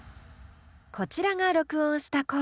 こちらが録音した声。